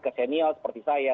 kesenial seperti saya